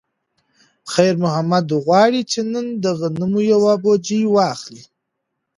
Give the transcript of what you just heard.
خیر محمد غواړي چې نن د غنمو یوه بوجۍ واخلي.